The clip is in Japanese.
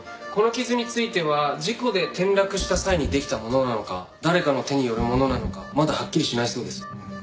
この傷については事故で転落した際にできたものなのか誰かの手によるものなのかまだはっきりしないそうです。